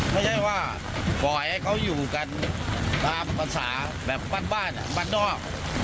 ไม่ใช่ว่าปล่อยให้เขาอยู่กันตามภาษาแบบบ้านบ้านนอก